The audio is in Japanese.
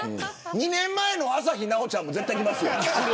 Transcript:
２年前の朝日奈央ちゃんも絶対来ますよ。